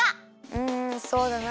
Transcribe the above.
うんそうだな。